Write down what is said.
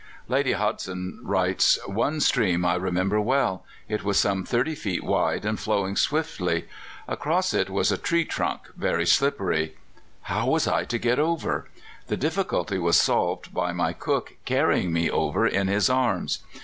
Lady Hodgson writes: "One stream I remember well; it was some 30 feet wide, and flowing swiftly. Across it was a tree trunk, very slippery. How was I to get over? The difficulty was solved by my cook carrying me over in his arms.